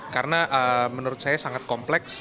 karena menurut saya sangat kompleks